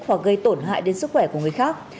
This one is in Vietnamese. hoặc gây tổn hại đến sức khỏe của người khác